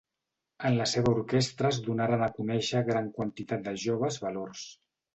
En la seva orquestra es donaren a conèixer gran quantitat de joves valors.